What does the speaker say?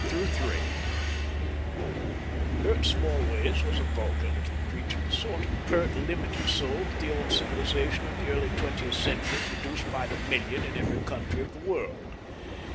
THE BALLOON I Bert Smallways was a vulgar little creature, the sort of pert, limited soul that the old civilisation of the early twentieth century produced by the million in every country of the world.